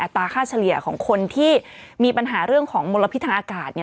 อัตราค่าเฉลี่ยของคนที่มีปัญหาเรื่องของมลพิทังอากาศเนี่ย